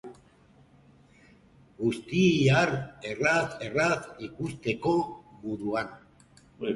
Guztiak, erraz erraz ikusteko moduan.